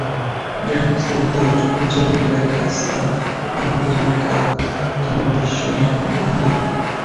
Grandmaster বলতেই চোখে ভেসে ওঠে গ্যারি কাসপারভ, আনাতোলি কারপভ কিংবা বিশ্বনাথন আনন্দের কথা।